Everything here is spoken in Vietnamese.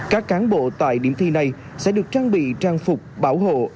các cán bộ tại điểm thi này sẽ được trang bị trang phục bảo hộ